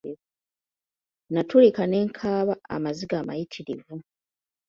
Natulika ne nkaaba amaziga amayitirivu.